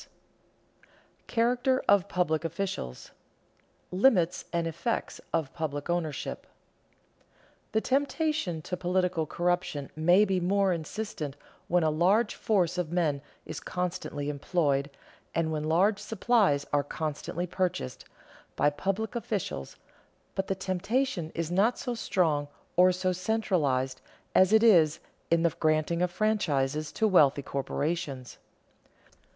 [Sidenote: Character of public officials] [Sidenote: Limits and effects of public ownership] The temptation to political corruption may be more insistent when a large force of men is constantly employed, and when large supplies are constantly purchased, by public officials, but the temptation is not so strong or so centralized as it is in the granting of franchises to wealthy corporations.